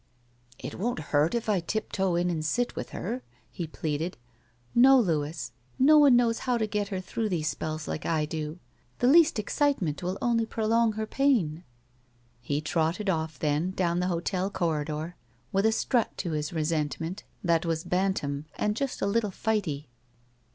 *'It won't hurt if I tiptoe in and sit with her," he pleaded. '' No, Louis, No one knows how to get her through these spells like I do. The least excitement will only prolong her pain." He trotted oflf, then, down the hotel corridor, with a strut to his resentment that was bantam and just a Uttle fighty.